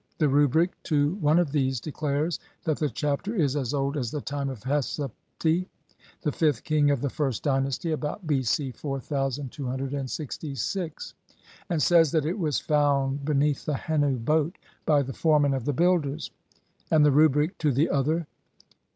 The rubric to one of these declares that the Chapter is as old as the time of Hesepti, the fifth king of the first dynasty, about B. C. 4266, and says that it was "found" beneath the Hennu boat by the foreman of the builders ; and the rubric to the other (see pp.